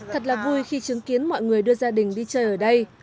thật là vui khi chứng kiến mọi người đưa gia đình đi chơi ở đây